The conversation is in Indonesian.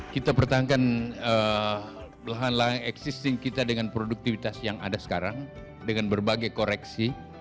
kita pertahankan lahan lahan existing kita dengan produktivitas yang ada sekarang dengan berbagai koreksi